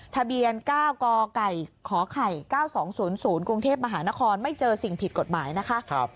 ทะเบียน๙กไก่ขไข่๙๒๐๐กรุงเทพมหานครไม่เจอสิ่งผิดกฎหมายนะคะ